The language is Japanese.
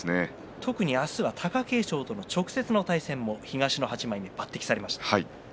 特に明日は貴景勝との直接の対戦東の８枚目抜てきされました。